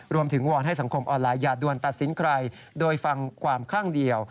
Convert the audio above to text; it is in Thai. วอนให้สังคมออนไลน์อย่าดวนตัดสินใครโดยฟังความข้างเดียว